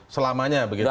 selamanya begitu ya